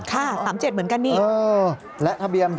ก็คือกตป๙๔๓๗๕ค